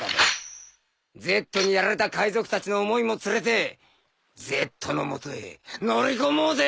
Ｚにやられた海賊たちの思いも連れてＺの元へ乗り込もうぜ。